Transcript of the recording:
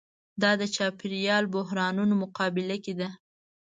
دا د چاپېریال بحرانونو مقابله کې ده.